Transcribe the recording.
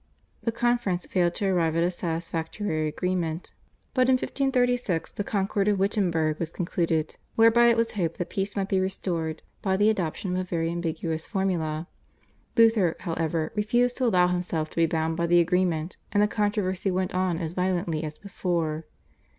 The conference failed to arrive at a satisfactory agreement, but in 1536 the Concord of Wittenberg was concluded, whereby it was hoped that peace might be restored by the adoption of a very ambiguous formula. Luther, however, refused to allow himself to be bound by the agreement, and the controversy went on as violently as before.